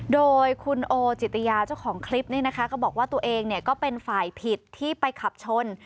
โดยคุณโอจิตยาเจ้าของคลิปนี้นะคะก็บอกว่าตัวเองก็เป็นฝ่ายผิดที่ไปขับชน